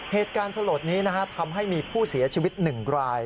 เหตุการณ์สะโหลดนี้นะฮะทำให้มีผู้เสียชีวิตหนึ่งราย